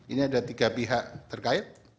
ini ada tiga pihak terkait